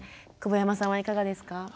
久保山さんはいかがですか？